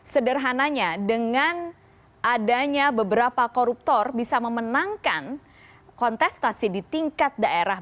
sederhananya dengan adanya beberapa koruptor bisa memenangkan kontestasi di tingkat daerah